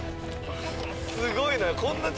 すごいな。